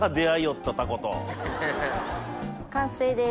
完成です。